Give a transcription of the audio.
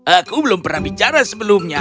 aku belum pernah bicara sebelumnya